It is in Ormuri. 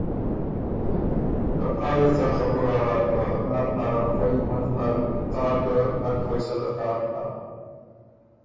که آ يې څا خبُره هۀ که نر نرن خوئ منځ نر آ ګۀ نک فیصلۀ داک هۀ